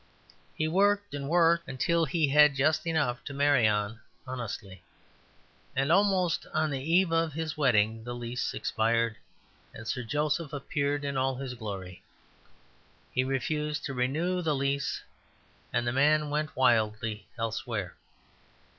He worked and worked until he had just enough to marry on honestly; and almost on the eve of his wedding the lease expired, and Sir Joseph appeared in all his glory. He refused to renew the lease; and the man went wildly elsewhere.